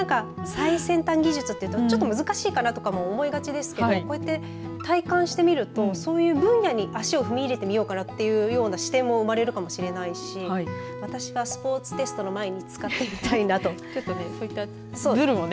最先端技術というとちょっと難しいかなと思いがちですけどこうやって体感してみるとそういう分野に足を踏み入れてみようかなという視点が生まれるかもしれないし私がスポーツテストの前に使ってみたいなと。